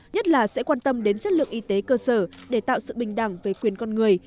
nhất là sẽ quan tâm đến chất lượng y tế cơ sở để tạo sự bình đẳng về quyền con người